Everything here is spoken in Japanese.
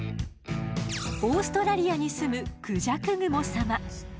オーストラリアにすむクジャクグモ様。